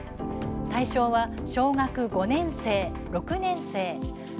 対象は小学５年生、６年生です。